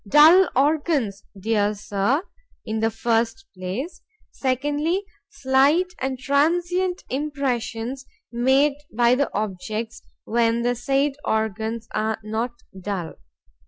Dull organs, dear Sir, in the first place. Secondly, slight and transient impressions made by the objects, when the said organs are not dull.